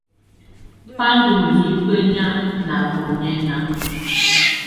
Bá ndɔ́ mǝ́nifǝ́ nyáa na bɔnyɛ́na.